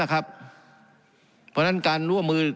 การปรับปรุงทางพื้นฐานสนามบิน